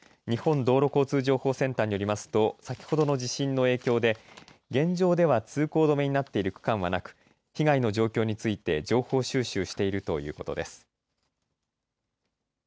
日本道路交通情報センターによりますと先ほどの地震の影響で現状では通行止めになっている区間はなく被害の状況について情報収集しているということです。